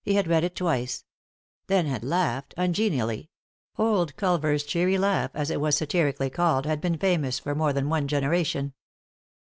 He had read it twice ; then had laughed, ungenially— old Culver's " cheery " laugh, as it was satirically called, had been famous for more than one generation.